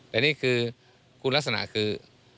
แต่นี่คือคุณลักษณะคือ